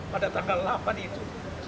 pada tanggal delapan itu